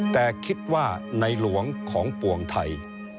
แต่คิดว่าในหลวงของปวงไทย